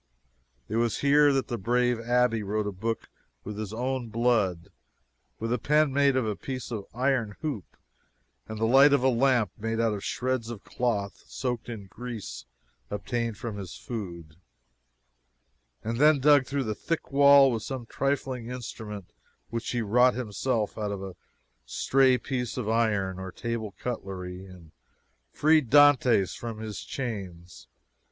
It was here that the brave Abbe wrote a book with his own blood, with a pen made of a piece of iron hoop, and by the light of a lamp made out of shreds of cloth soaked in grease obtained from his food; and then dug through the thick wall with some trifling instrument which he wrought himself out of a stray piece of iron or table cutlery and freed Dantes from his chains.